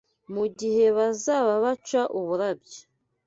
Mu gihe bazaba baca uburabyo